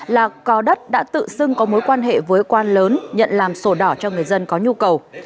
là cò đất đã tự xưng có mối quan hệ với quan lớn nhận làm sổ đỏ cho người dân có nhu cầu